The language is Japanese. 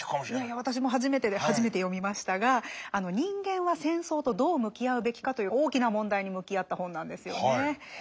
いやいや私も初めてで初めて読みましたが人間は戦争とどう向き合うべきかという大きな問題に向き合った本なんですよね。